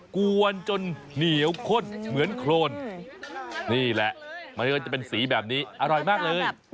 กวนจนเหนียวข้นเหมือนโครนนี่แหละไม่ว่าจะเป็นสีแบบนี้อร่อยมากเลย